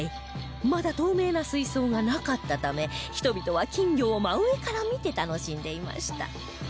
まだ透明な水槽がなかったため人々は金魚を真上から見て楽しんでいました